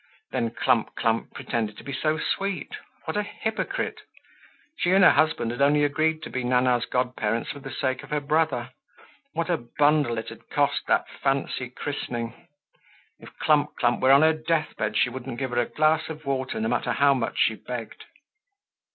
Then, Clump clump pretended to be so sweet, what a hypocrite! She and her husband had only agreed to be Nana's godparents for the sake of her brother. What a bundle it had cost, that fancy christening. If Clump clump were on her deathbed she wouldn't give her a glass of water, no matter how much she begged.